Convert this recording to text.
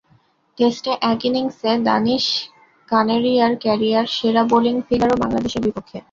টেস্টে এক ইনিংসে দানিশ কানেরিয়ার ক্যারিয়ার সেরা বোলিং ফিগারও বাংলাদেশের বিপক্ষে।